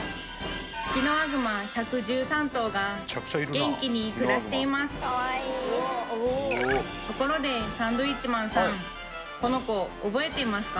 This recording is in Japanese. ツキノワグマ１１３頭が元気に暮らしていますところでサンドウィッチマンさんこの子覚えていますか？